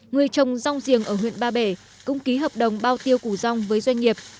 người trồng rong giềng ở huyện ba bể cũng ký hợp đồng bao tiêu củ rong với doanh nghiệp